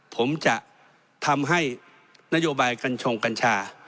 ผมจะทำให้นโยบายกัญชงกัญชา